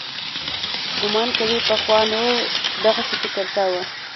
ګومان کوي پخوانو دغسې فکر کاوه.